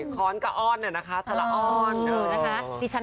ค้อนกับอ้อนนะคะทะละอ้อน